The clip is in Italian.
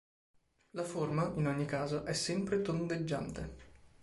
La forma, in ogni caso, è sempre tondeggiante.